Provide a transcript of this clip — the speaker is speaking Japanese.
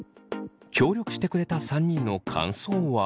協力してくれた３人の感想は。